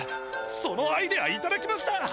そのアイデアいただきました！